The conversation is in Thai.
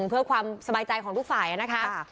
เพื่อความสบายใจของทุกฝ่ายนะคะ